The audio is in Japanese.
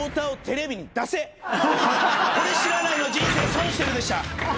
「これ知らないの人生損してる！」でした。